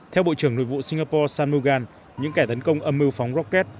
theo bộ trưởng nội vụ singapore sam mugan những kẻ tấn công âm mưu phóng rocket